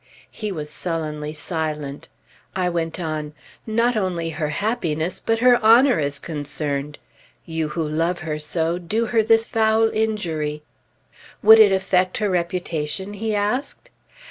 He was sullenly silent. I went on: "Not only her happiness, but her honor is concerned. You who love her so, do her this foul injury." "Would it affect her reputation?" he asked.